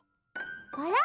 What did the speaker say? あら？